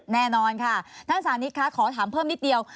แน่นอนค่ะท่านสานิทค่ะขอถามเพิ่มนิดเดียว